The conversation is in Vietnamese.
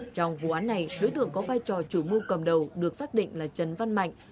trong vụ án này đối tượng có vai trò chủ mưu cầm đầu được xác định là trần văn mạnh